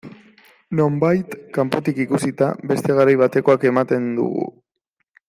Nonbait, kanpotik ikusita, beste garai batekoak ematen dugu.